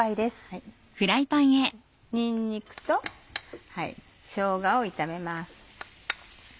にんにくとしょうがを炒めます。